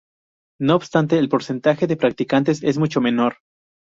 No obstante, el porcentaje de practicantes es mucho menor.